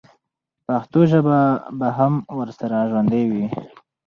پښتو ژبه به هم ورسره ژوندۍ وي.